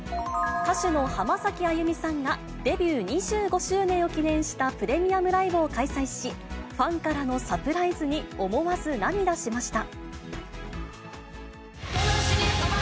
歌手の浜崎あゆみさんが、デビュー２５周年を記念したプレミアムライブを開催し、ファンからのサプライズに思わず涙しました。